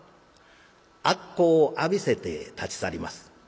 悪口を浴びせて立ち去ります。